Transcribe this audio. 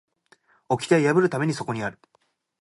掟は破るためにそこにある